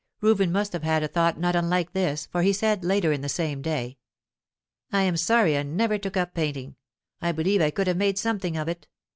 Reuben must have had a thought not unlike this, for he said, later in the same day: "I am sorry I never took up painting. I believe I could have made something of it.